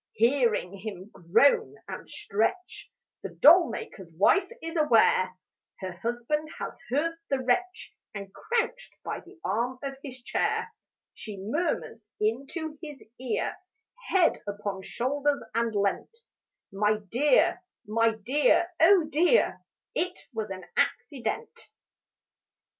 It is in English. Hearing him groan and stretch The doll maker's wife is aware Her husband has heard the wretch, And crouched by the arm of his chair, She murmurs into his ear, Head upon shoulder leant: 'My dear, my dear, oh dear, It was an accident.'